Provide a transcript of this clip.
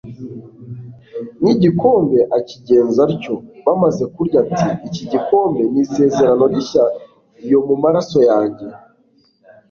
N'igikombe akigenza atyo, bamaze kurya ati: Iki gikombe ni isezerano rishya iyo mu maraso yanjye.